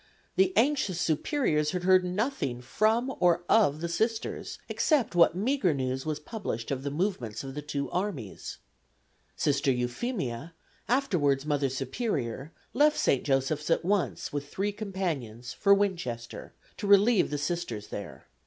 The anxious Superiors had heard nothing from or of the Sisters except what meagre news was published of the movements of the two armies. Sister Euphemia, afterwards Mother Superior, left St. Joseph's at once with three companions for Winchester, to relieve the Sisters there.